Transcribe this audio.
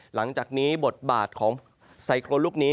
หลังจากนี้หมดบาทของไซโคลุกนี้